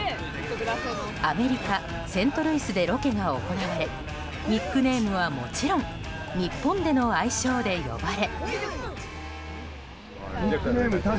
アメリカ・セントルイスでロケが行われニックネームはもちろん日本での愛称で呼ばれ。